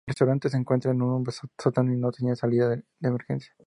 El restaurante se encuentra en un sótano y no tenía salida de emergencia.